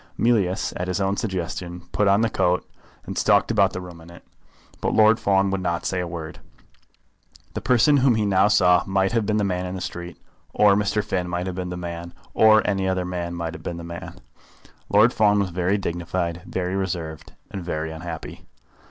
Mealyus, at his own suggestion, put on the coat, and stalked about the room in it. But Lord Fawn would not say a word. The person whom he now saw might have been the man in the street, or Mr. Finn might have been the man, or any other man might have been the man. Lord Fawn was very dignified, very reserved, and very unhappy.